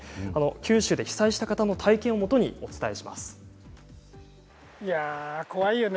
九州で被災した方の体験をもとにお伝えします。